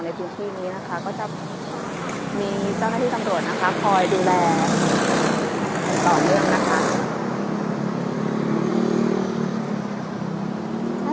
มีเจ้าหน้ากากให้ดูแล